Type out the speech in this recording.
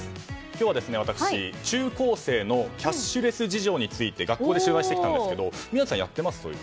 今日は私、中高生のキャッシュレス事情について学校で取材してきたんですけど宮司さん、やってます？